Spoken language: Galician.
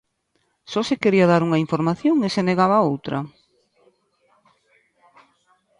¿Só se quería dar unha información e se negaba outra?